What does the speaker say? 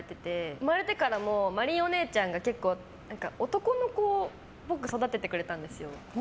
生まれてからも真凜お姉ちゃんが結構、男の子っぽく育ててくれたんですよ。